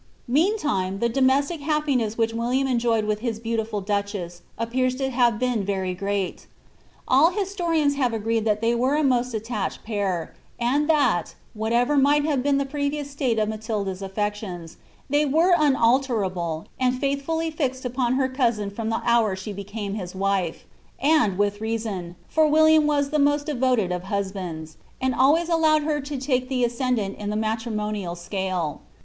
3Ieantime the domestic happiness which William enjoyed with his beautiful ducliess appeara to have been very great All historians have agreed that they were a most attached pair, and that, whatever might have been the previous state of Matilda's aflections, they were unaltera bly and fiiithfuily fixed upon her cousin from the hour she became his wife ; and with reason, for William was the most devoted of husbands, and always allowed her to take the ascendant in the matrimonial scale.